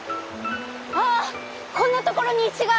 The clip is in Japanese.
あっこんなところに石が！